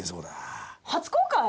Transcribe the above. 初公開！？